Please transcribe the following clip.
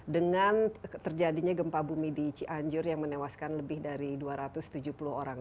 dengan terjadinya gempa bumi di cianjur yang menewaskan lebih dari dua ratus tujuh puluh orang